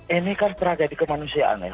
ini kan tragedi kemanusiaan ya